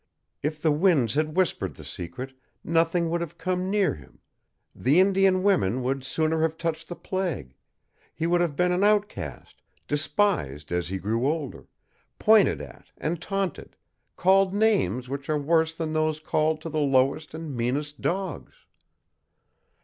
If the winds had whispered the secret nothing would have come near him the Indian women would sooner have touched the plague he would have been an outcast, despised as he grew older, pointed at and taunted, called names which are worse than those called to the lowest and meanest dogs.